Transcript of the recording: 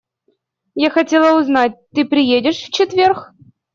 Я хотела узнать, ты приедешь в четверг?